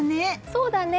そうだね。